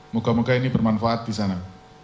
moga moga ini bermanfaat di sana